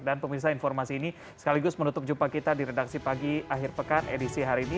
pemirsa informasi ini sekaligus menutup jumpa kita di redaksi pagi akhir pekan edisi hari ini